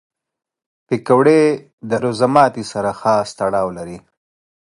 پکورې د روژه ماتي سره خاص تړاو لري